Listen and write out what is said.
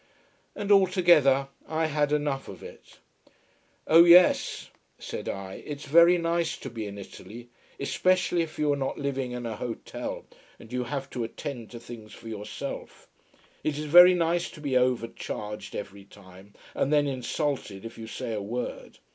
And altogether I had enough of it. "Oh yes," said I, "it's very nice to be in Italy: especially if you are not living in an hotel, and you have to attend to things for yourself. It is very nice to be overcharged every time, and then insulted if you say a word.